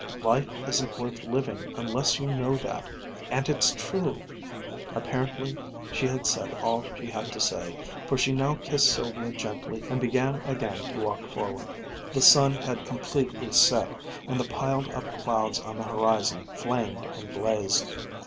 Life isn't worth living unless you know that and it's true." Apparently she had said all she had to say, for she now kissed Sylvia gently and began again to walk forward. The sun had completely set, and the piled up clouds on the horizon flamed and blazed.